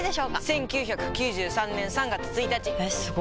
１９９３年３月１日！えすご！